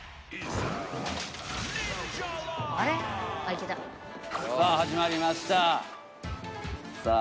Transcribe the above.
さあ始まりましたさあ